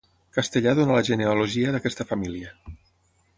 Castellà dona la genealogia d'aquesta família.